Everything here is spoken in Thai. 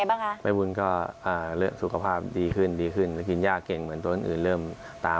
อ่าแล้วก็ใบบุญนะคะ